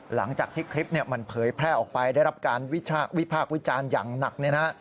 หลังจากที่คลิปมันเผยแพร่ออกไปได้รับการวิพากษ์วิจารณ์อย่างหนักเนี่ยนะฮะ